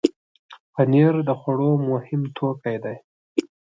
پنېر د خوړو مهم توکی دی.